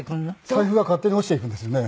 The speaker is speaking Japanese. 財布が勝手に落ちていくんですよね。